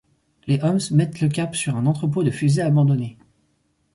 Les oms mettent le cap sur un entrepôt de fusées abandonné.